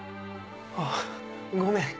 あぁごめん。